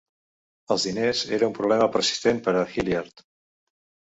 Els diners era un problema persistent per a Hilliard.